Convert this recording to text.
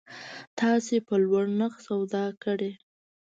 تاسو په لوړ نرخ سودا کړی